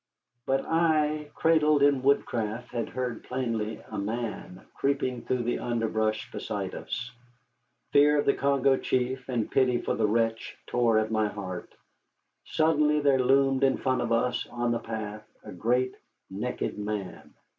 But I, cradled in woodcraft, had heard plainly a man creeping through the underbrush beside us. Fear of the Congo chief and pity for the wretch tore at my heart. Suddenly there loomed in front of us, on the path, a great, naked man.